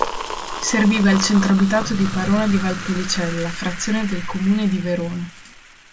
Serviva il centro abitato di Parona di Valpolicella, frazione del comune di Verona.